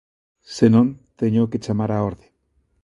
Se non, téñoo que chamar á orde.